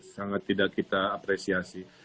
sangat tidak kita apresiasi